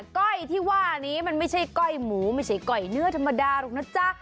ก้อยที่ว่านี้มันไม่ใช่ก้อยหมูไม่ใช่ก้อยเนื้อธรรมดาหรอกนะจ๊ะ